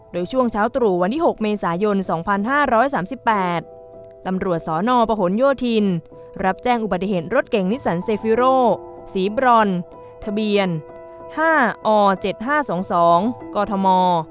โดยช่วงเช้าตรู่วันที่๖เมษายน๒๕๓๘ตำรวจสนประหลโยธินรับแจ้งอุบัติเหตุรถเก่งนิสันเซฟิโรสีบรอนทะเบียน๕อ๗๕๒๒กธม